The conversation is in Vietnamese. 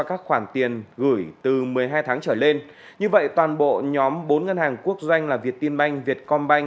có giá bán không cao hơn hai mươi hai bốn trăm một mươi đồng một lít